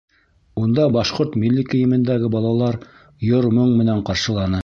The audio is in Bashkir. Унда башҡорт милли кейемендәге балалар йыр-моң менән ҡаршыланы.